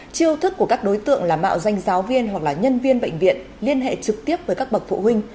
chiêu thức của các đối tượng là mạo danh giáo viên hoặc là nhân viên bệnh viện liên hệ trực tiếp với các bậc phụ huynh